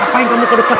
apa yang kamu kedepan